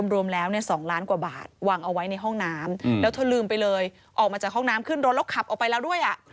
รวมแล้ว๒ล้านกว่าบาทวางเอาไว้ในห้องน้ำแล้วเธอลืมไปเลยออกมาจากห้องน้ำขึ้นรถแล้วขับออกไปแล้วด้วย